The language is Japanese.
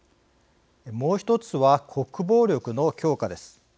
もう１つは国防力の強化です。